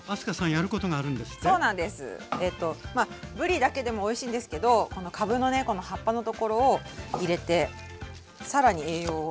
えとまあぶりだけでもおいしいんですけどこのかぶのねこの葉っぱのところを入れて更に栄養を。